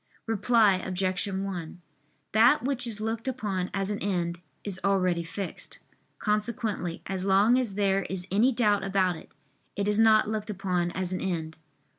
Reply Obj. 1: That which is looked upon as an end, is already fixed: consequently as long as there is any doubt about it, it is not looked upon as an end.